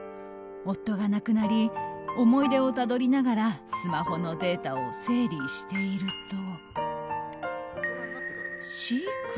夫が亡くなり思い出をたどりながらスマホのデータを整理していると。